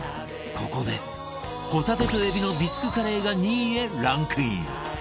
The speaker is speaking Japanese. ここでほたてと海老のビスクカレーが２位へランクイン